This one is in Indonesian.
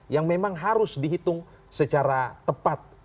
yang memang harus dihitung secara tepat